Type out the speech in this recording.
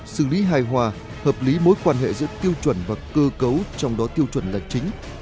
xử lý hài hòa hợp lý mối quan hệ giữa tiêu chuẩn và cơ cấu trong đó tiêu chuẩn là chính